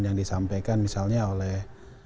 yang disampaikan misalnya oleh